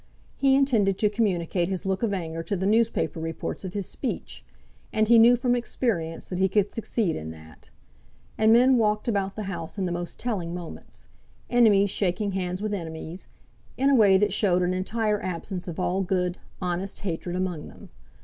He intended to communicate his look of anger to the newspaper reports of his speech; and he knew from experience that he could succeed in that. And men walked about the House in the most telling moments, enemies shaking hands with enemies, in a way that showed an entire absence of all good, honest hatred among them.